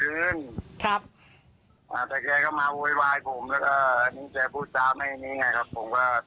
ลุงทราบบ้านในครับผมก็